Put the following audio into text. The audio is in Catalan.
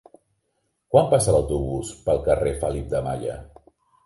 Quan passa l'autobús pel carrer Felip de Malla?